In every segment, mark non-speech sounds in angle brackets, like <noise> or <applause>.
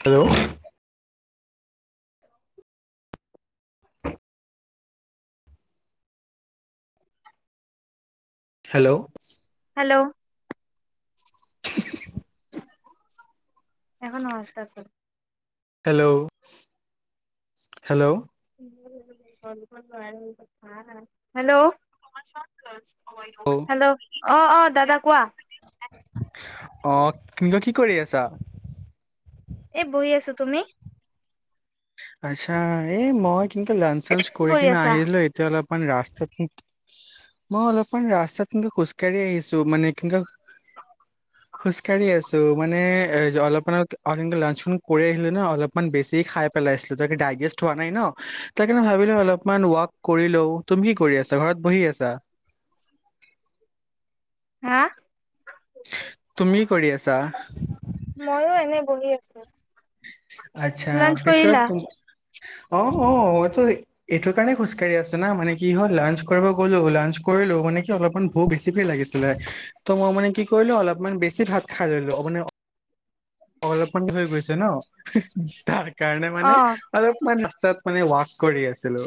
Hello hello hello এখনো আস্তাচি। Hello hello hello অ অ হেল্ল' অ অ দাদা কোৱা অ কিন্তু কি কৰি আছা। এ বহি আছো তুমি আচ্ছা এই মই কিন্তু লাঞ্চ চাঞ্চ কি কৰি কিনে আছা আহিলো এতিয়া অলপ অ', মানে ৰাস্তাত মই অলপমান ৰাস্তাত কেনে খোজ কঢ়ি আহিছো মানে কেনেকা খোজ কাঢ়ি আছো মানে এ অলপমান লঞ্চ কৰি আহিলো ন অলপমান বেছি খাই পেলাইছিলো তাকে ডাইজেষ্ট হোৱা নাই ন তাকে মই ভাবিলো অলপমান ৱাক কৰি লওঁ তুমি কি কৰি আছা ঘৰত বহি আছা হা তুমি কি কৰি আছা আছে আচ্ছা পিছত তুম অ', অ', এইটো কাৰণে খোজকাঢ়ি আছো শুনা মানে কি হল লাঞ্চ কৰিব গলো লাঞ্চ কৰিলো মানে কি অলপমান ভুক বেছি কৈ লাগিছিলে ত মই মানে কি কৰিলো অলপমান বেছি ভাত খাই লৈলো ম অলপ হৈ গৈছে ন তাক কাৰণে অ মানে অলপ মান তাত মানে ৱাক কৰি আছিলো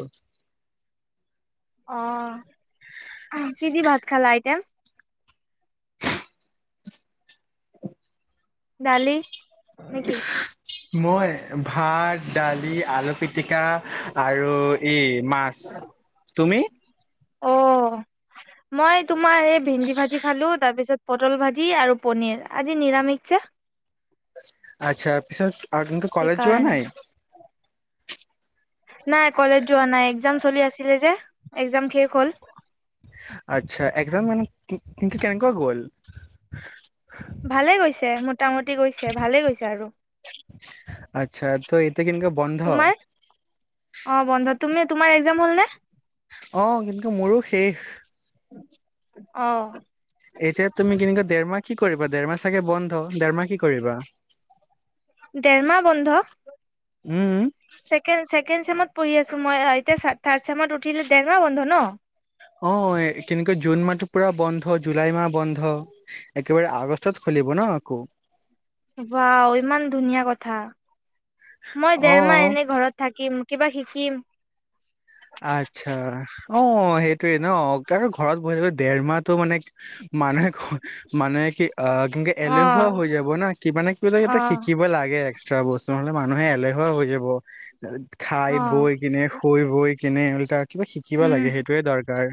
অ কি দি ভাত খালা এতিয়া দালি নেকি মই ভাত দালি আলু পিটিকা আৰু ই মাছ তুমি অ মই তোমাৰ এই ভেন্দি ভাজি খালো তাৰপিছত পটল ভাজি আৰু পনীৰ আজি নিৰামিষ যে আচ্ছা পিছত আৰু কিন্তু কলেজ যোৱা সেইকাৰণে নাই নাই কলেজ যোৱা নাই একজাম চলি আছিলে যে একজাম শেষ হ'ল আচ্ছা একজাম মানে কিন্তু কেনেকুৱা গ'ল ভালে গৈছে মোটামুটি গৈছে ভালেই গৈছে আৰু আচ্ছা ত এতিয়া কেনেকুৱা বন্ধ তোমাৰ অ বন্ধ তুমি তোমাৰ একজাম হ'ল নে অ কিন্তু মোৰো শেষ অহ এতিয়া তুমি এনেকা দেৰমাহ কি কৰিবা দেৰমাহ চাগে বন্ধ দেৰমাহ কি কৰিবা দেৰমাহ বন্ধ উম ছেকেণ্ড ছে ছেকেণ্ড চেমত পঢ়ি আছো মই এতিয়া থাৰ্ড চেমত উঠিলে ডেৰমাহ বন্ধ ন অ কেনেকে জুন মাহতো পুৰা বন্ধ জুলাই মাহ বন্ধ একেবাৰে আগষ্টত খোলিব ন আকৌ বাও ইমান ধুনীয়া কথা মই অ দেৰমাহ এনে ঘৰত থাকিম কিবা শিকিম আচ্ছা অ সেইটোয়ে ন ঘৰত বহিলো দেৰ মাহটো মানে মানুহে কয় মানে কি অ কিন্তু অ এলেহুৱা হৈ যাব না কিবা নে কিবা অ এটা শিকিব লাগে বস্তু হ'লে মানুহে এলেহুৱা হৈ যাব খাই অ বৈ কিনে শুই বৈ কেনে উলতা কিবা শিকিব উম লাগে সেইটোৱে দৰকাৰ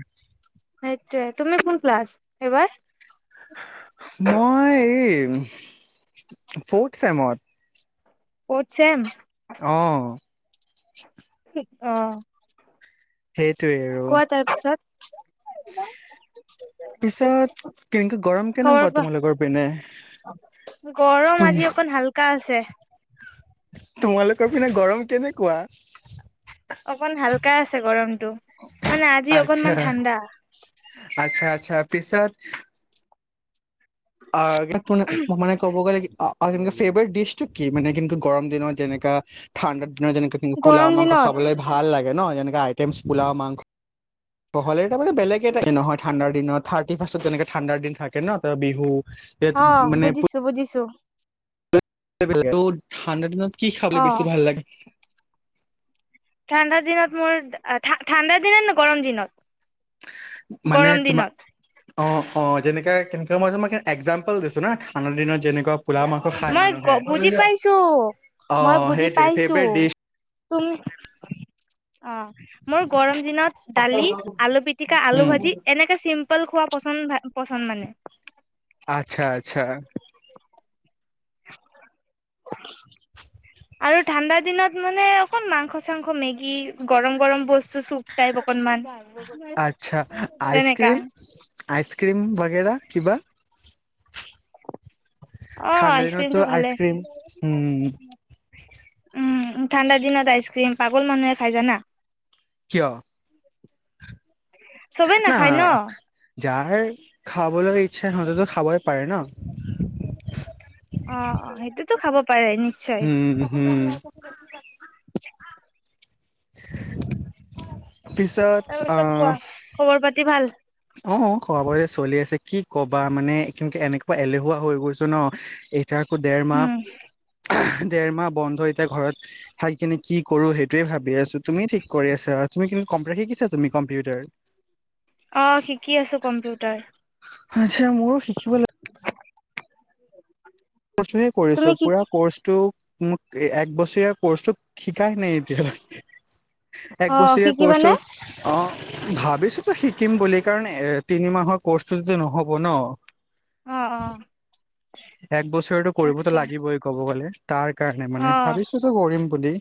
সেইটোয়ে তুমি কোন ক্লাছ এইবাৰ মই এই ফৰ্থ চেমত ফৰ্থ চেম আহ অ আৰু কোৱা তাৰ পিছত পিছত কেনেকে গৰম কেনেকুৱা খবৰ কোৱা তোমালোকৰ পিনে গৰম তুম আজি অকন হালকা আছে তোমালোকৰ পিনে গৰম কেনেকুৱা? কা আছে গৰমটো মানে আজি আচ্ছা অকনমান ঠাণ্ডা। আচ্ছা আচ্ছা তাৰ পাছত অ ম মানে ক'ব গ'লে কি অ আৰু ফেভাৰট ডিচ টো কি মানে কিন্তু গৰম দিনত যেনেকা ঠাণ্ডা দিনত যেনে কি পোলাও গৰম মাংস দিনত খাবলৈ ভাল লাগে এনেকে আইটেমছ পোলাও মাংস বহল তাৰমানে বেলেগ এ নহয় ঠাণ্ডাৰ দিনত থাৰ্টি ফাৰ্ষত তেনেকে ঠাণ্ডাৰ দিন থাকে ন বিহু অ মানে বুজিছো বুজিছো ঠাণ্ডা দিনত কি খাবলে অ। বেছি ভাল লাগে ঠাণ্ডাৰ দিনত মোৰ ঠাণ্ডাৰ দিনত ন গৰম দিনত মানে গৰম দিনত তোমাৰ অ অ যেনেকা কেনেকা মই জাষ্ট এক্জাম্পল দিছো ন ঠাণ্ডা দিনত যেনেকুৱা পোৰা মাংস খাই মই গ মানুহে বুজি পাইছো অ মই বুজি সেইটোৱে পাইছো ফেভৰেট ডিচ তুমি অ মোৰ গৰম দিনত দালি আলু পিটিকা আলু উম ভাজি এনেকে চিম্পল খোৱা পচন্দ ভ পচন্দ মানে আচ্ছা আচ্ছা আৰু ঠাণ্ডা দিনত মানে অকল মাংস চাংস মেগী গৰম গৰম বস্তু চুপ টাইপ অকনমান আচ্ছা তেনেকা আইচক্ৰীম আইচক্ৰীম কিবা অ ঠাণ্ডা দিনতো আইচক্ৰীিমটো ভালে আইচক্ৰীম উম উম উ ঠাণ্ডা দিনত আইচক্ৰীম পাগল মানুহে খাই যানা কিয় চবে না নাখায় ন যাৰ খাব বলই ইচ্ছা সিহতেতো খাবই পাৰে ন অ অ সেইটোতো খাব পাৰে নিশ্চয় উম হম পিছত তাৰপিছত কোৱা আহ খবৰ পাতি ভাল অ খবৰ চলি আছে কি কবা মানে কি এনেকুৱা এলেহুৱা হৈ গৈছো ন এতিয়াক ডেৰ উম মাহ দেৰ মাহ বন্ধ এতিয়া ঘৰত খাই কিনে কি কৰো সেইটোয়ে ভাবি আছো তুমি ঠিক কৰি আছা তুমি কিন্ত কম্পিউটাৰ শিকিছা তুমি কম্পিউটাৰ অ শিকি আছো কম্পিউটাৰ আচছা মোৰো শিকিব লাগিব <unintelligible> কষ্টা হে কৰিছো তুমি কি পুৰা কৰ্চটো মোক এক বছৰীয়া কৰ্চটোত শিকাই নাই এতিয়ালৈ অ এক বছৰে কৈছো শিকিবানে অ ভাবিছোঁ তো শিকিম বুলি কাৰণ এ তিনিমাহৰ কৰ্চটো যদি নহ'ব ন অ অ এক বছৰটো কৰিবতো আচ্ছা লাগিবই ক'ব গ'লে তাৰ কাৰণে অ মানে ভাবিছোতটো কৰিম বুলি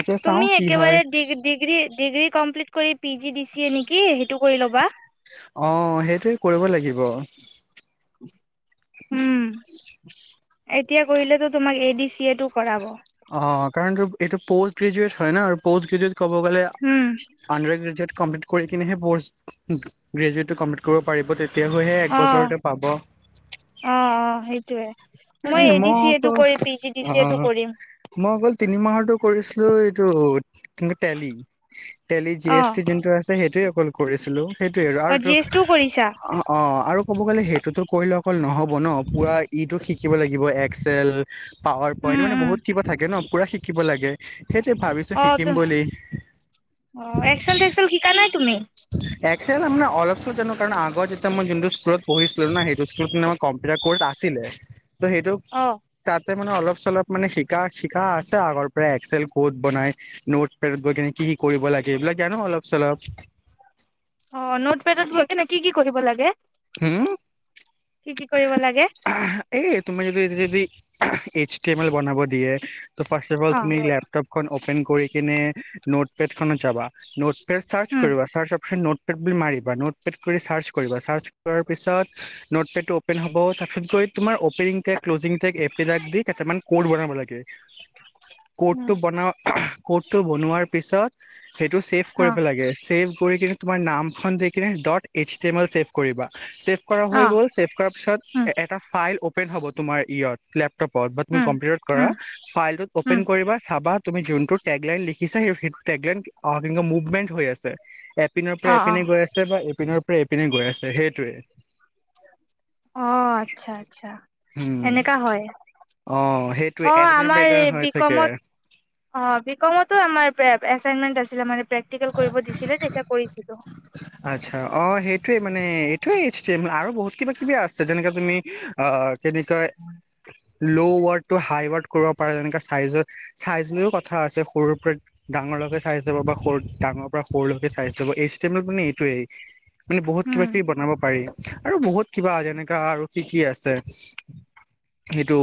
এতিয়া চাও তুমি কি হয় একেবাৰে ডিগ্ৰী ডিগ্ৰী কমপ্লিট কৰি পি জি দিছেে নেকি সেইটো কৰি ল'বা। আহ সেইটো কৰিব লাগিব। উম এতিয়া কৰিলেতো তোমাক এ ডি চি এটো কৰাব অ কাৰণ এইটো পষ্ট গ্ৰেজুেট হয় ন আৰু পষ্ট গ্ৰেজট ক'ব গ'লে উম আণ্ড্ৰেড গ্ৰেট কমপ্লিট কৰি কিনেহে প' গ্ৰেজুৱেটটো কমপ্লিট কৰিব পাৰিব তে তেওহে এক অ বছৰতে পাব। অ অ সেইটোয়ে মই এ ডি চি এটো কৰিম পি জি ডি চি এটো কৰিম। তিনি মাহৰতো কৰিছিলো এইটো কিন্তু টেলি টেলি জি এছ অ টি যোনটো আছে সেইটোৱেই অকল কৰিছিলোঁ। সেইটোৱে আৰু অ জি আৰুটো এছ টোও কৰিছা অ অ আৰু ক'ব গ'লে সেইটোতো কলে অকল নহ'ব ন পুৰা ইটো শি শিকিব লাগিব এক্সেল পাৱাৰ পইণ্ট উম মানে উম বহুত কিবা থাকে ন। পুৰা শিকিব লাগে। সেইটোৱে ভাবিছো অ শিকিম তু বুলি অ একচেল চেকচেল শিকা নাই তুমি? চেম আপোনাৰ অলপ চ জানো কাৰণ আগত যেতিয়া মই যোনটো স্কুলত পঢ়িছিলো ন সেইটো স্কুলত কম্পিউটাৰ কৌৰ্চ আছিলে। ত সেইটো অ তাত। তে মানে অলপ চলপ মানে শিকা শিকা আছে আগৰ পৰা এক্সেল ক'ড বনাই, নোট পেদত গৈ কিনে কি কৰিব লাগে, এইবিলাক জানোঁ অলপ চলপ। অ নোট পেটত গৈছে নে কি কৰিব লাগে? উম কি কি কৰিব লাগে আহ এই তুমি ৰিবিজিবি এইচ টি এম এল বনাব দিয়ে। তো ফাৰ্ষ অফ অ তুমি লপটপখন অপ শ্বেন কৰি কিনে নোট পেড খনত যাবা নোট। চাৰ্চ উম কৰিবা চাৰ্চ অপশচন নোট। তেপবি মাৰিবা নোটপেড কৰি চাৰ্চ কৰিবা চাৰ্চ। তাৰ পিছত নোটপেড টো অপেন হ'ব তাৰপিছত গৈ তোমাৰ অপেনিং টে ক্লজিং টেক এপবিলাক দি কেইটামান ক'ৰ্ড বনাব লাগে। উম ক'তটো বনোৱা ক'তটো বনোৱাৰ। পিছত সেইটো চছেভ অ কৰিব লাগে। ছেভ কৰি কিনে তোমাৰ নামখন দেকিনে dot H D M L চছেভ কৰিবা। ছেভ কৰা অ হৈ গ'ল, চছেভ কৰাৰ পিছত উম এটা ফাইল অপেন হ'ব তোমাৰ ইয়ত ক্লেপ। কপদ বাট মই উম কম্পিউটাৰত কৰা, উম ফাইলটোত উম অপেন কৰিবা চাবা তুমি যোনটো টেগ লাইন লিখিছা সেইটো টেগ লাইন অ ', মুভমেট হৈ আছে। এপিনৰ পৰা অ অ এপিনে গৈ আছে বা এপিনৰ। এইপিনে গৈ আছ। সেইটোৱে অ ', আচ্ছা। আচ্ছা, উম এনেকা হয়, অ সেইটোৱে অ', এপিনৰ পৰা আমাৰ এপিনে হৈ বি থাকে কমত, অ ', বি কমতো আমাৰ পে ', এছাইনমেণ্ট আছে। <unintelligible> প্ৰেক্টিকেল কৰিব দিছিলে যেতিয়া কৰিছিলো। আচ্ছা', অ', সেইটোয়ে মানে, এইটোয়ে ষ্টেম আৰু বহুত কিবা কিবি আছে যেনেকাে তুমি অ', কেনেকৈ, low word to high word. কৰিব পাৰে তেনে চাইজৰ চাইজ লৈও কথা আছে, সৰুৰ পৰা ডাঙৰলৈকে চাইজ যাব বা সৰু ডাঙৰ পৰা সৰু লকে চাইজ লাব এই ষ্টেম মানে। তোৱেই মানে বহুত কিবা উম কিবি বনাব পাৰি। আৰু বহুত কিবা যেনেকা আৰু কি কি আছে এইটো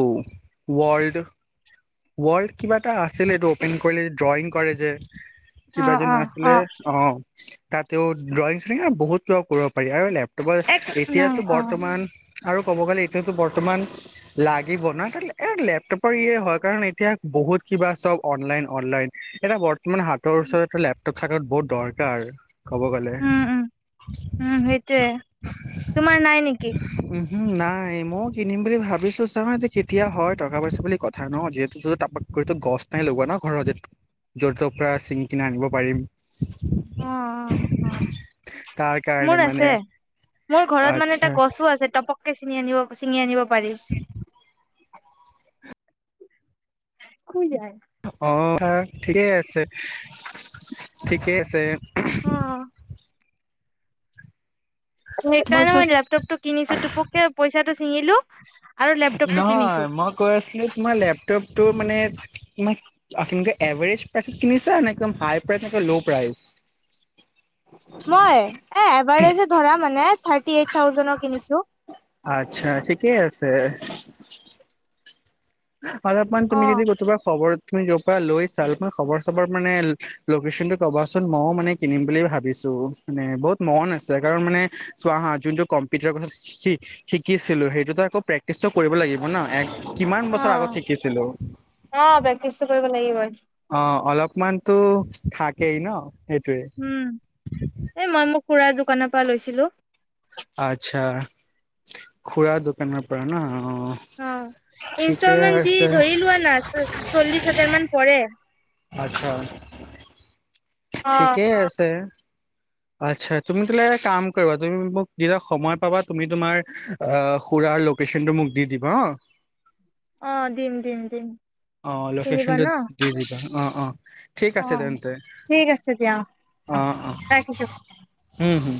ওৱল্ড ওৱল্ড কিবা এটা আছিলে এইটো অ'পেন কৰিলে ড্ৰয়িং। কৰে যাৰ অ কিবাজনো অ আছিলে অ অ', তাতেও ড্ৰয়িং লিখা বহুত কিবা কৰিব পাৰি আৰু লেপ- তবৰ', এক অ এতিয়াতো অ বৰ্তমান আৰু ক'ব গ'লে এইটোতো বৰ্তমান লাগিব ন', এ', লেপটপৰ ইয়ে হয় কাৰণ এতিয়া বহুত কিবা চব অনলাইন -অনলাইন এটা বৰ তোৰ মানে হাতৰ ওচৰতটা লেপ থাকত বহুত দৰকাৰ। কব গলে, উম উম উম সেইটোয়ে তোমাৰ নাই নেকি উম', উ', নাই ময়ও কিনিম বুলি ভাবিছো চাওঁ যে কেতিয়া হয় টকা পইচা বুলি কথা ন যিহেতুাকো গছ নাই লগোৱা ন ঘৰত যহ য' তৰ পৰা ছিঙি কিনে আনিব পাৰিম। অ', - অ', - অ', তাৰ কাৰণে মোৰ মানে আছে মোৰ ঘৰত মানে এটা আচ্ছা গছো আছে টপক চিনি নিব চিঙ আনিব পাৰিছ শুই যায়। অ হা ঠিকেই আছে ঠিকে আছে। অ সেইকাৰণে মই লেপটপ টো কিনিছো টোপককে পইচাটো চিঙিলো নহয় মই কৈ আছিলো তোমাৰ লেপটপটো মানে কিমান? আপোনালোকে এভাৰেজ প্ৰাইচত কিনিছা নে একদম হাই প্ৰাইচ নদ ল' প্ৰাইচ মই এ এবাৰে যে ধৰা মানে থাৰ্টি এইট থাউজেনৰ কিনিছো আটছা ঠিকেই আছে অলপমান অ তুমি যদি কোবা খবৰ তুমি যৰ পৰা লৈ চা খবৰ চবৰ মানে লকেচন টো কবাচোন মইয়ও মানে কিনিম বুলি ভাবিছো মানে বহুত মন আছে কাৰণ মানে চোৱা হা যোনটো কম্পিউটাৰৰ কথা শিকিছিলো সেইটোতো সেইটোতো আকৌ প্ৰেক্টিচটো কৰিব লাগিব লাগিব ন কিমান অ বছৰ আগত শিকিছিলো আহ প্ৰেক্টিচটো কৰিব লাগিবই অ অলপমানতো থাকেই ন সেই উম এই মই মোক খুৰা দোকানৰ পৰা লৈছিলো আটছা খুৰা দোকানৰ পৰা ন অ অ ঠিকে ইনষ্টলমেন্ট দি আছে ধৰি লোৱা না চল্লিশ হাজাৰ মান পৰে আটছা অ ঠিকেই আছে আটছা তুমি কলে কাম কৰিবা তুমি মোক কিবা সময় পাবা তুমি তোমাৰ খুৰাৰ লোকেশ্যনটো মোক দি দিবা হা অ দিম দিম দিম আহ কিনিবা লোকেশচনটো ন দি দিবা অ অ ঠিক আছে অ তেন্তে অ অ কছ হম হুম